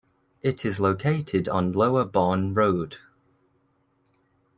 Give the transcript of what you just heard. It is located on Lower Barn Road.